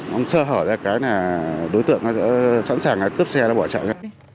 không sơ hở ra cái là đối tượng nó sẵn sàng cướp xe nó bỏ chạy